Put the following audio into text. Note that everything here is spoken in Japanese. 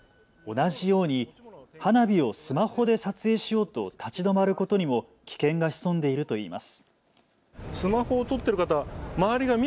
同じように花火をスマホで撮影しようと立ち止まることにも危険が潜んでいるといいます。